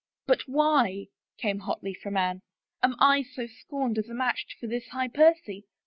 " But why," came hotly from Anne, '* am I so scorned as a match for this high Percy?